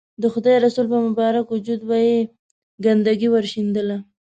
د خدای رسول پر مبارک وجود به یې ګندګي ورشیندله.